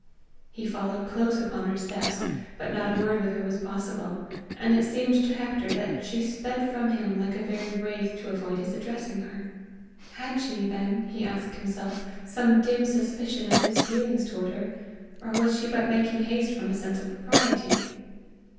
He followed close upon her steps, but not a word with her was possible, and it seemed to Hector that she sped from him like a very wraith to avoid his addressing her. Had she, then, he asked himself, some dim suspicion of his feelings toward her, or was she but making haste from a sense of propriety?